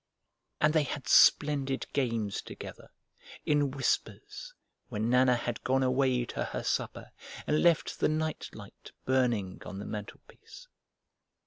And they had splendid games together, in whispers, when Nana had gone away to her supper and left the night light burning on the mantelpiece.